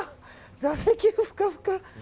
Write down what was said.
座席、ふかふか。